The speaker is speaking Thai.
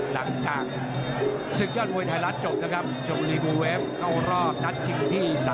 หลังจากศึกยอดมวยไทยรัฐจบนะครับชมบุรีบูเวฟเข้ารอบนัดชิงที่๓